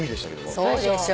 そうでしょう。